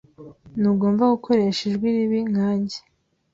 Ntugomba gukoresha ijwi ribi nkanjye.